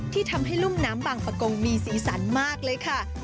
ทำให้รุ่มน้ำบางประกงมีสีสันมากเลยค่ะ